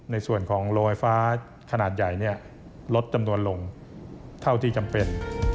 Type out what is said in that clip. ในส่วนของโรยฟ้าขนาดใหญ่ลดจำนวนลงเท่าที่จำเป็น